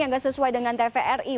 yang gak sesuai dengan tvri